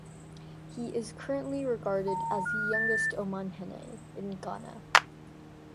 He is currently regarded as the youngest Omanhene in Ghana.